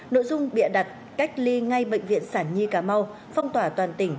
nội dung bịa đặt cách ly ngay bệnh viện sản nhi cà mau phong tỏa toàn tỉnh